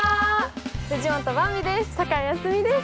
藤本ばんびです。